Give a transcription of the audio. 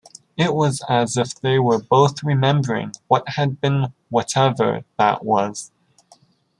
It was as if they were both remembering what had been-whatever that was.